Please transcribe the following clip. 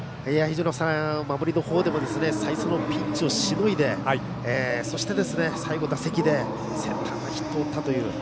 守りのほうでも再三のピンチをしのいでそして、最後の打席でセンター前ヒットを打ったという。